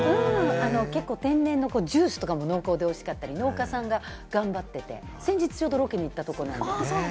結構、天然のジュースとかも濃厚でおいしかったり、農家さんが頑張っていて、先日ちょうどロケに行ったところなので。